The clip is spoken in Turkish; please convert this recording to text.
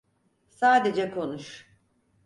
Sadece konuş.